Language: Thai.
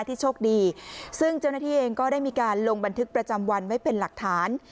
ที่โชคดีซึ่งเจ้าหน้าที่เองก็ได้มีการลงบันทึกประจำวันไว้เป็นหลักฐาน